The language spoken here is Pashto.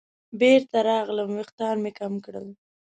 بېرته راغلم ویښتان مې کم کړل.